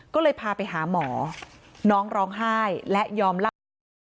ก็เลยพาไปหาหมอน้องร้องไห้และยอมเล่าให้ฟัง